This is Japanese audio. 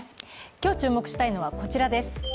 今日注目したいのがこちらです。